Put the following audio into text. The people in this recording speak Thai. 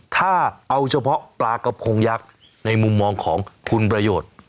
ถ้าเอาเฉพาะปลากระพงยักษ์ในมุมมองของคุณประโยชน์